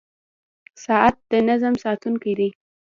• ساعت د نظم ساتونکی دی.